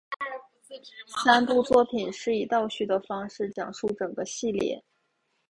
三部作品是以倒叙的方式讲述整个系列。